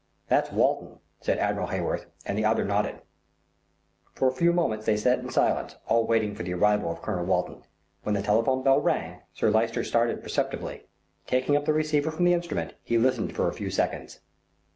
"That's Walton," said Admiral Heyworth, and the other nodded. For a few minutes they sat in silence, all waiting for the arrival of Colonel Walton. When the telephone bell rang, Sir Lyster started perceptibly. Taking up the receiver from the instrument he listened for a few seconds.